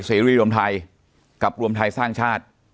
สีฮิลลี่รวมไทยกับรวมไทยสร้างชาติ